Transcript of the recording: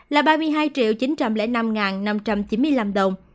là ba mươi hai chín trăm linh năm năm trăm chín mươi năm đồng